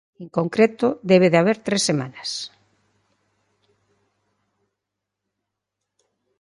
En concreto debe de haber tres semanas.